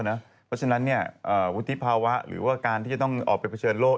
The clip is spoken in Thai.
เพราะฉะนั้นวุฒิภาวะหรือว่าการที่จะต้องออกไปเผชิญโลก